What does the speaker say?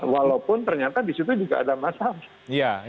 walaupun ternyata disitu juga ada masalah